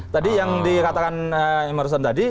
tadi yang dikatakan emerson tadi